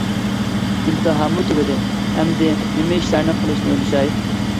ئىمتىھانمۇ تۈگىدى، ئەمدى نېمە ئىشلارنى قىلىشنى ئويلىشاي.